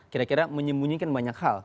kira kira menyembunyikan banyak hal